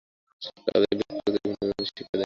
কাজেই বেদ প্রকৃতি ভিন্ন অন্য কিছু শিক্ষা দেয় না।